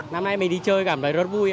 năm nay mình đi chơi cảm thấy rất vui